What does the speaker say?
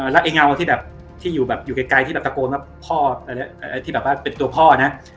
และไอ้เงาที่อยู่ใกล้ที่สะโกนว่าเป็นตัวพ่อนะ